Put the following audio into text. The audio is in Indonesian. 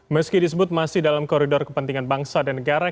meski disebut masih dalam koridor kepentingan bangsa dan negara